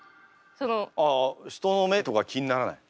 あ人の目とか気にならない？